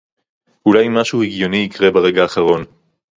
אולי משהו הגיוני יקרה ברגע האחרון